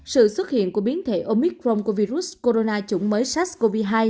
sự xuất hiện của biến thể omicron của virus corona chủng mới sars cov hai